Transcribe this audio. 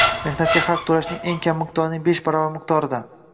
mehnatga haq to‘lashning eng kam miqdorining besh baravari miqdorida